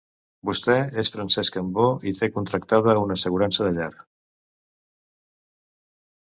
Vostè és Francesc Cambó i té contractada una assegurança de llar.